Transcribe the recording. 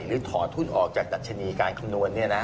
หรือถอดหุ้นออกจากดัชนีการคำนวณเนี่ยนะ